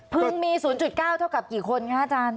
มี๐๙เท่ากับกี่คนคะอาจารย์